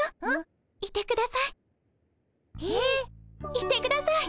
いてください。